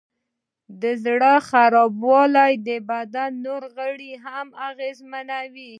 د زړه خرابوالی د بدن نور غړي هم اغېزمنوي.